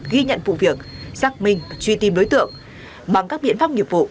ghi nhận vụ việc xác minh và truy tìm đối tượng bằng các biện pháp nghiệp vụ